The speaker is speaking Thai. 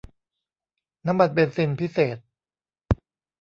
น้ำมันเบนซินพิเศษ